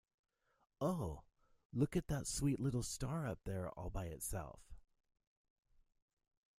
Oh, look at that sweet little star up there all by itself.